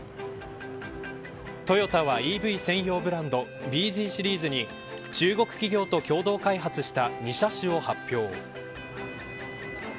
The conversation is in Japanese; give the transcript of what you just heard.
トヨタはＥＶ専用ブランドｂＺシリーズに中国企業と共同開発した２車種を発表。